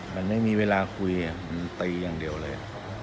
มันไม่มีเวลาคุยมันตีอย่างเดียวเลย